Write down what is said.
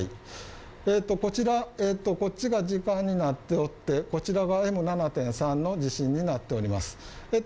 こっちが時間になっておって、こちらはＭ７．３の地震になっております